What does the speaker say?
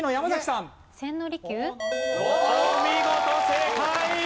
お見事！正解！